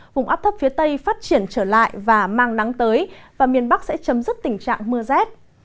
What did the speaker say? vùng áp thấp phía tây phát triển trở lại và mang nắng tới và miền bắc sẽ chấm dứt tình trạng mưa rét